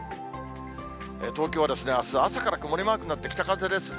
東京はあす、朝から曇りになって、北風ですね。